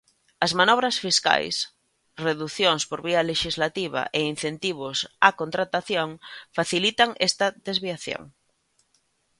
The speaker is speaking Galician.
As manobras fiscais, reducións por vía lexislativa e incentivos á contratación facilitan esta desviación.